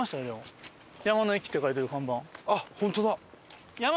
あっホントだ！